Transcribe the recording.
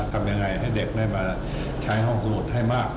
ทำยังไงให้เด็กได้มาใช้ห้องสมุดให้มาก